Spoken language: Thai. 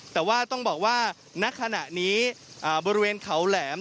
แต่ว่าต้องบอกว่าณขณะนี้บริเวณเขาแหลม